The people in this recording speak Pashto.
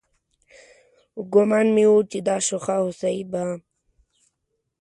ګومان مې و چې دا شوخه هوسۍ به